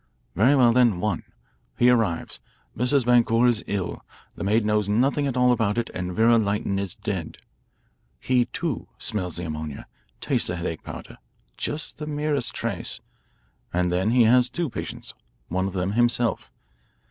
"Very well, then one. He arrives, Mrs. Boncour is ill, the maid knows nothing at all about it, and Vera Lytton is dead. He, too, smells the ammonia, tastes the headache powder just the merest trace and then he has two patients, one of them himself.